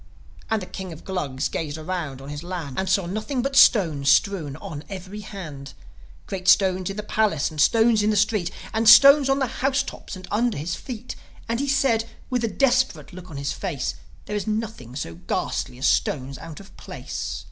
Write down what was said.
And the King of the Glugs gazed around on his land, And saw nothing but stones strewn on every hand: Great stones in the palace, and stones in the street, And stones on the house tops and under the feet. And he said, with a desperate look on his face, "There is nothing so ghastly as stones out of place.